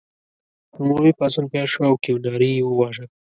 عمومي پاڅون پیل شو او کیوناري یې وواژه.